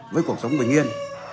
với cuộc sống bình yên